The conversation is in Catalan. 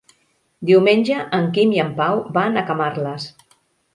Diumenge en Quim i en Pau van a Camarles.